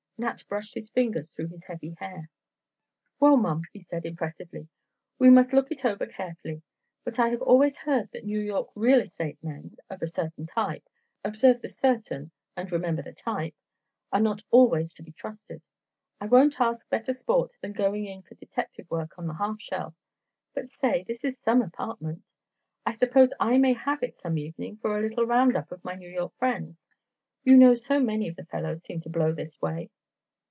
Nat brushed his fingers through his heavy hair. "Well, Mom," he said impressively, "we must look it over carefully, but I have always heard that New York real estate men—of a certain type—observe the certain and remember the type—are not always to be trusted. I wouldn't ask better sport than going in for detective work on the half shell. But say, this is some apartment! I suppose I may have it some evening for a little round up of my New York friends? You know so many of the fellows seem to blow this way."